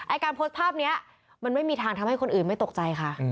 การโพสต์ภาพนี้มันไม่มีทางทำให้คนอื่นไม่ตกใจค่ะ